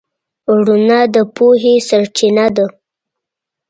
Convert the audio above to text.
رڼا د پوهې سرچینه ده.